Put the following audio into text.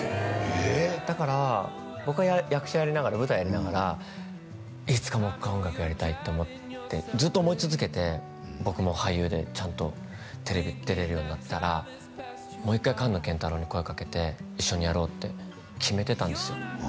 ええっだから僕は役者やりながら舞台やりながらいつかもっかい音楽やりたいって思ってずっと思い続けて僕も俳優でちゃんとテレビ出れるようになったらもう一回カンノケンタロウに声かけて一緒にやろうって決めてたんですよ